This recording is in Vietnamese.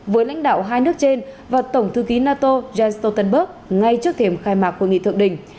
với lãnh đạo hai nước trên và tổng thư ký nato jens stoltenberg ngay trước thềm khai mạc hội nghị thượng đỉnh